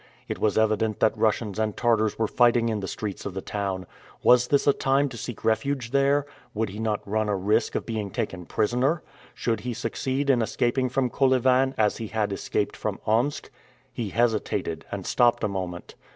It was evident that Russians and Tartars were fighting in the streets of the town. Was this a time to seek refuge there? Would he not run a risk of being taken prisoner? Should he succeed in escaping from Kolyvan, as he had escaped from Omsk? He hesitated and stopped a moment.